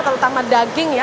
terutama daging ya